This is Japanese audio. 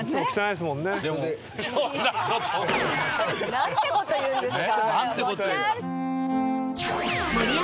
何てこと言うんですか。